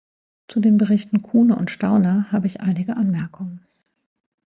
Zu den Berichten Kuhne und Stauner habe ich einige Anmerkungen.